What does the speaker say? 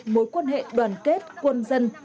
mối quan hệ đoàn kết quân dân